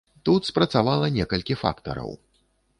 Тут спрацавала некалькі фактараў.